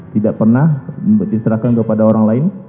tidak pernah diserahkan kepada orang lain